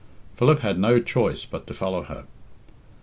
Philip had no choice but to follow her.